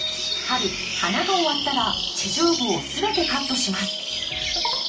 春花が終わったら地上部を全てカットします。